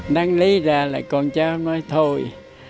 năng lý ra là con cháu nói thôi